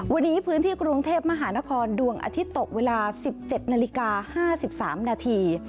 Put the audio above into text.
วันนี้พื้นที่กรุงเทพมหานครดวงอาทิตย์ตกเวลา๑๗นาฬิกา๕๓นาที